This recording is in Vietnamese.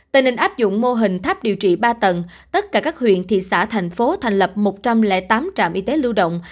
tây ninh áp dụng mô hình tháp điều trị ba tầng tất cả các huyện thị xã thành phố thành lập một trăm linh tám trạm y tế lưu động